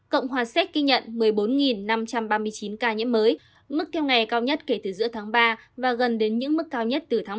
cộng hòa séc ghi nhận một mươi bốn năm trăm ba mươi chín ca nhiễm mới mức theo ngày cao nhất kể từ giữa tháng ba và gần đến những mức cao nhất từ tháng một